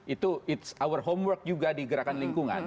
itu it's our homework juga di gerakan lingkungan